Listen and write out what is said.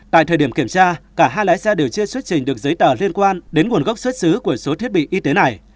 tại thời điểm kiểm tra cả hai lái xe đều chưa xuất trình được giấy tờ liên quan đến nguồn gốc xuất xứ của số thiết bị y tế này